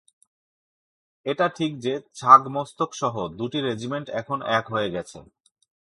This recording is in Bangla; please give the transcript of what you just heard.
এটা ঠিক যে, ছাগ-মস্তকসহ দুটি রেজিমেন্ট এখন এক হয়ে গেছে।